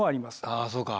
あそうか。